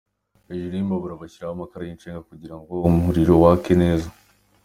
Hejuru y’imbabura bashyiraho amakara y’incenga kugira ngo umuriro wake neza.